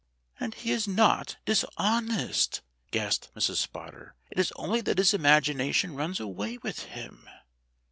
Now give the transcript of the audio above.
"And he is not dishonest," gasped Mrs. Spotter. "It is only that his imagination runs away with him."